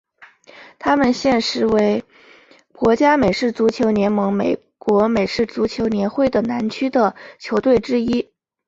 他们现时为国家美式足球联盟美国美式足球联会的南区的球队之一。